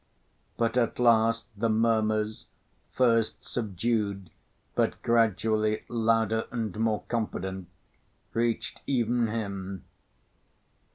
But at last the murmurs, first subdued but gradually louder and more confident, reached even him.